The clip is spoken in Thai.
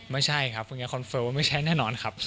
ไม่ใช่ครับพรุ่งนี้คอนเฟิร์มว่าไม่ใช่แน่นอนครับ